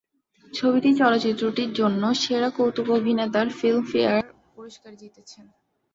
ছবিটি চলচ্চিত্রটির জন্য সেরা কৌতুক অভিনেতার ফিল্মফেয়ার পুরস্কার জিতেছে।